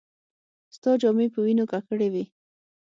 ستا جامې په وينو ککړې وې.